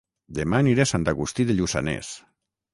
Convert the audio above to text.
Dema aniré a Sant Agustí de Lluçanès